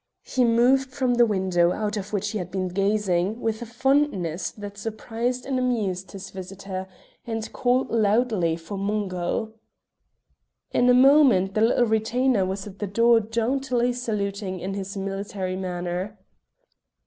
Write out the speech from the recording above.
He moved from the window out of which he had been gazing with a fondness that surprised and amused his visitor, and called loudly for Mungo. In a moment the little retainer was at the door jauntily saluting in his military manner.